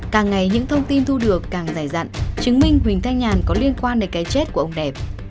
càng ngày những thông tin thu được càng dài dặn chứng minh huỳnh thanh nhàn có liên quan đến cái chết của ông đẹp